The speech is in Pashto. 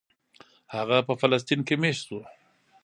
هغه په فلسطین کې مېشت شو.